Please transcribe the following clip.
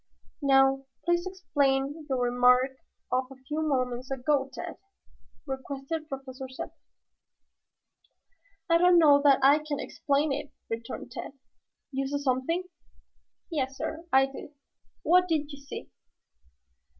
"Now please explain your remark of a few moments ago, Tad," requested Professor Zepplin. "I don't know that I can explain it," returned Tad. "You saw something?" "Yes, sir, I did." "What did you see?"